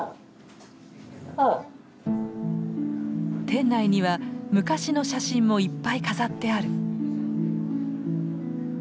店内には昔の写真もいっぱい飾ってある。